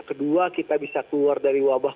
kedua kita bisa keluar dari wabah